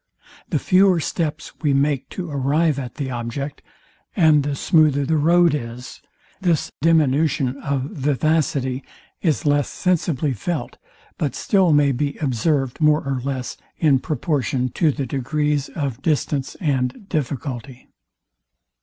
The fewer steps we make to arrive at the object, and the smoother the road is, this diminution of vivacity is less sensibly felt, but still may be observed more or less in proportion to the degrees of distance and difficulty.